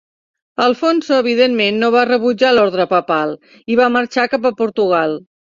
Afonso, evidentment, no va rebutjar l'ordre papal i va marxar cap a Portugal.